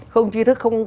không chi thức không nghĩ